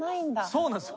そうなんです。